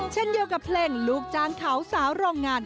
เช่นเดียวกับเพลงลูกจ้างเขาสาวโรงงาน